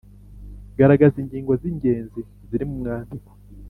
Garagaza ingingo z’ingenzi ziri mumwandiko